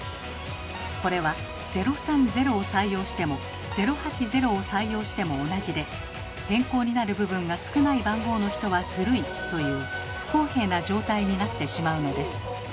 これは「０３０」を採用しても「０８０」を採用しても同じで「変更になる部分が少ない番号の人はズルい」という不公平な状態になってしまうのです。